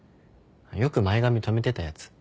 よく前髪とめてたやつ。